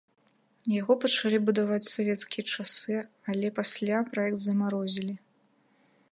Яго пачалі будаваць у савецкія часы, але пасля праект замарозілі.